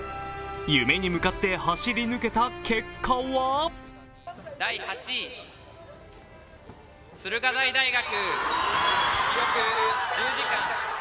夢に向かって走り抜けた結果は第８位、駿河台大学。